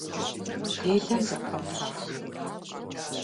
Делэм зэпумыщӀэ.